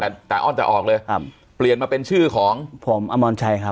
แต่ตาอ้อนจะออกเลยครับเปลี่ยนมาเป็นชื่อของผมอมรชัยครับ